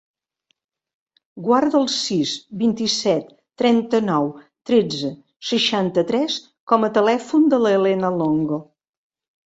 Guarda el sis, vint-i-set, trenta-nou, tretze, seixanta-tres com a telèfon de la Helena Longo.